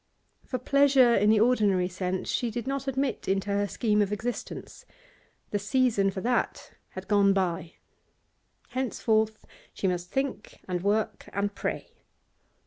For pleasure in the ordinary sense she did not admit into her scheme of existence; the season for that had gone by. Henceforth she must think, and work, and pray.